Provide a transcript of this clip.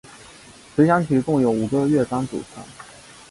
随想曲共有五个乐章组成。